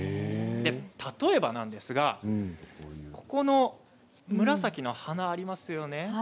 例えばなんですが紫の花がありますよね